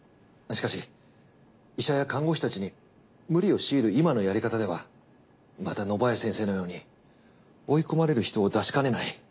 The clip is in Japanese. しかし医者や看護師たちに無理を強いる今のやり方ではまた野林先生のように追い込まれる人を出しかねない。